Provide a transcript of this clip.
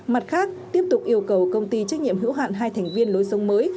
mặt khác tiếp tục yêu cầu công ty trách nhiệm hữu hạn hai thành viên lối sống mới